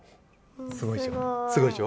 すごいでしょ。